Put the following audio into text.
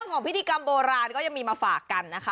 ของพิธีกรรมโบราณก็ยังมีมาฝากกันนะคะ